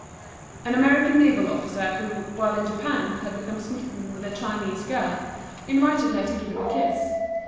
An American naval officer who, while in Japan, had become smitten with a Chinese girl, invited her to give him a kiss.